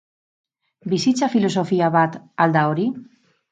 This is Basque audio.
Bizitza filosofia bat al da hori?